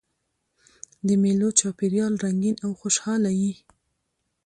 د مېلو چاپېریال رنګین او خوشحاله يي.